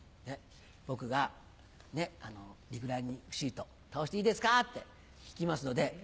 僕が「リクライニングシート倒していいですか？」って聞きますので。